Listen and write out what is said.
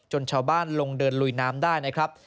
ชาวบ้านลงเดินลุยน้ำได้นะครับ